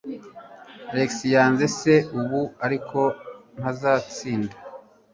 Alex yanze se ubu, ariko ntazatsinda.